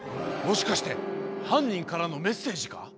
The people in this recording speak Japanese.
もしかしてはんにんからのメッセージか？